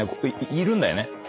いるんだよね？